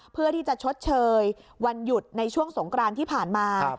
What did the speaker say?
เพื่อที่จะชดเชยวันหยุดในช่วงสงกรานที่ผ่านมา